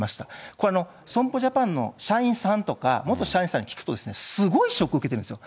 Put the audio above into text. これ、損保ジャパンの社員さんとか元社員さんに聞くと、すごいショック受けてるんですよ。